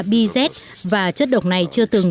bz và chất độc này chưa từng